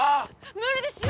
無理ですよ